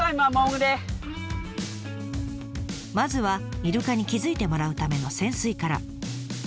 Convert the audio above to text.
まずはイルカに気付いてもらうための潜水から。